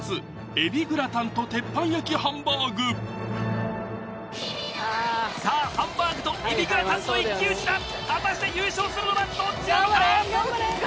海老グラタンと鉄板焼ハンバーグさあハンバーグと海老グラタンの一騎打ちだ果たして優勝するのはどっちなのか